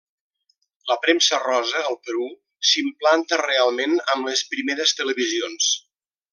La premsa rosa al Perú s'implanta realment amb les primeres televisions.